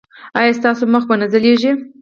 ایا ستاسو مخ به نه ځلیږي؟